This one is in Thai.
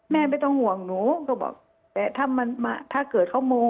แม่ไม่ต้องห่วงหนูก็บอกแต่ถ้าเกิดเขาโม่